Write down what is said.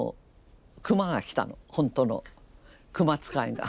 本当の熊使いが。